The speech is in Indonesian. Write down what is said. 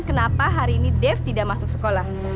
kenapa hari ini dev tidak masuk sekolah